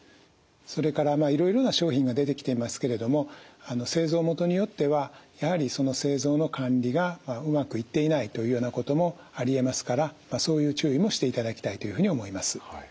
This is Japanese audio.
それからいろいろな商品が出てきていますけれども製造元によってはやはりその製造の管理がうまくいっていないというようなこともありえますからそういう注意もしていただきたいというふうに思います。